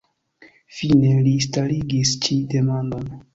Fine li starigis ĉi demandon.